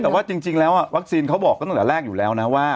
แต่ว่าจริงแล้ววัคซีนเขาบอกตั้งแต่แรกอยู่แล้วนะว่า